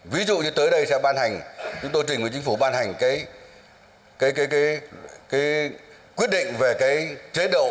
ví dụ như tới đây sẽ ban hành chúng tôi trình với chính phủ ban hành cái quyết định về cái chế độ